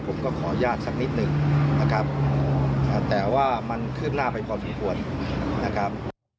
ผมก็ขออนุญาตสักนิดหนึ่งนะครับแต่ว่ามันคืบหน้าไปพอสมควรนะครับ